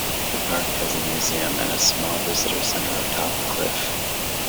The park has a museum and a small visitor center atop a cliff.